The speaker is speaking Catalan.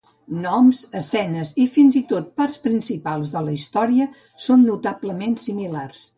Noms, escenes i fins i tot parts principals de la història són notablement similars.